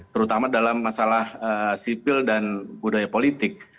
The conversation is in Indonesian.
terutama dalam masalah sipil dan budaya politik